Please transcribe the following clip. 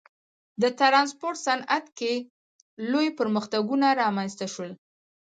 د ټرانسپورت صنعت کې لوی پرمختګونه رامنځته شول.